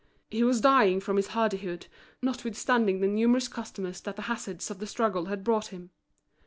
He was dying from his hardihood, notwithstanding the numerous customers that the hazards of the struggle had brought him.